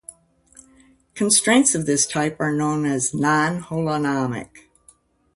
Constraints of this type are known as non-holonomic.